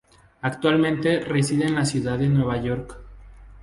Actualmente reside en Ciudad de Nueva York.